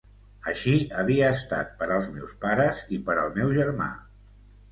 Així havia estat per als meus pares i per al meu germà.